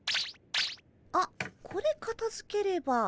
あっこれかたづければ。